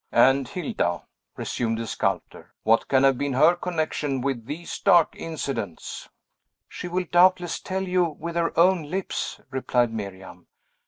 "And Hilda!" resumed the sculptor. "What can have been her connection with these dark incidents?" "She will, doubtless, tell you with her own lips," replied Miriam.